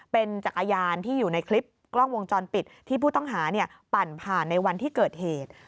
เป็นจักรยานที่อยู่ในคลิปกล้องวงจรปิดที่ผู้ต้องหาปั่นผ่านในวันที่เกิดเหตุ